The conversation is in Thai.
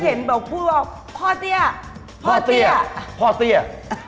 เห็นแบบพูดว่าพ่อเตี้ยพ่อเตี้ยพ่อเตี้ย